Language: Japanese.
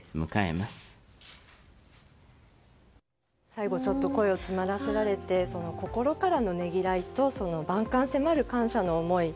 最後ちょっと声を詰まらせられて心からのねぎらいと万感迫る感謝の思い